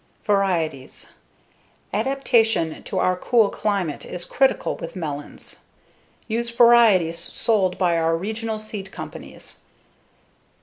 Varieties: Adaptation to our cool climate is critical with melons; use varieties sold by our regional seed companies.